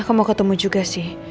aku mau ketemu juga sih